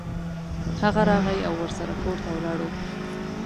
هغه راغی او ورسره کور ته ولاړو.